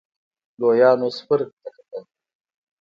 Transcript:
لويانو سپرغې ته کتل.